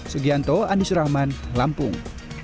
sugianto andi surahman lampung